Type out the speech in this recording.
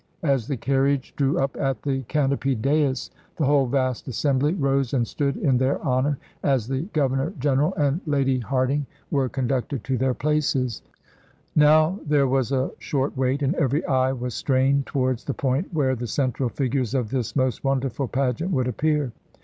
As the carriage drew up at the canopied dais, the whole vast assembly rose and stood in their honor, as the Governor General 251 INDIA and Lady Hardinge were conducted to their places. Now there was a short wait, and every eye was strained towards the point where the central figures of this most wonderful pageant would appear.